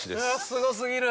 すごすぎる！